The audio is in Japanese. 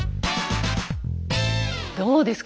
どうですか？